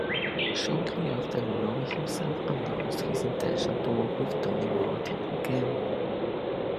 Shortly after Iommi himself announced his intention to work with Tony Martin again.